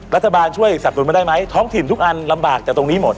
รัฐบาลช่วยสับสนุนมาได้ไหมท้องถิ่นทุกอันลำบากจากตรงนี้หมด